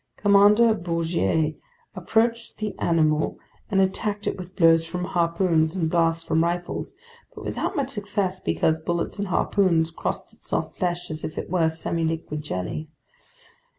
Commander Bouguer approached the animal and attacked it with blows from harpoons and blasts from rifles, but without much success because bullets and harpoons crossed its soft flesh as if it were semiliquid jelly.